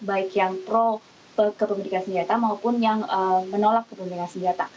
baik yang pro kepemilikan senjata maupun yang menolak kepemilikan senjata